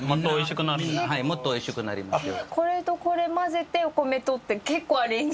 もっと美味しくなりますよ。